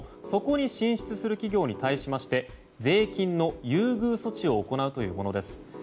そこに進出する企業に対し税金の優遇措置を行うというものです。